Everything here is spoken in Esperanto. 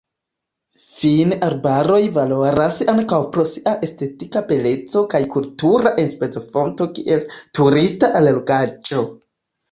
Fine arbaroj valoras ankaŭ pro sia estetika beleco kaj kultura enspezofonto kiel turista allogaĵo.